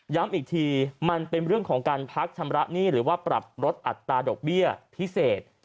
อีกทีมันเป็นเรื่องของการพักชำระหนี้หรือว่าปรับลดอัตราดอกเบี้ยพิเศษ